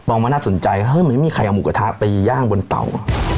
ว่าน่าสนใจเฮ้ยมันไม่มีใครเอาหมูกระทะไปย่างบนเตา